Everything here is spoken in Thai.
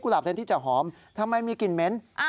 หลับแทนที่จะหอมทำไมมีกลิ่นเหม็น